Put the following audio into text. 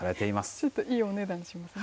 ちょっといいお値段しますね。